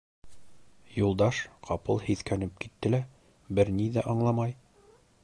Юлдаш ҡапыл һиҫкәнеп китте лә, бер ни ҙә аңламай: